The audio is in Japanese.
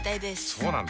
そうなんだ。